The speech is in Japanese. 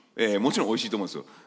もちろんおいしいと思うんですよ。